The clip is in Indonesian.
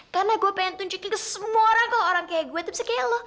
karena gue pengen tunjukin ke semua orang kalo orang kayak gue bisa kayak lo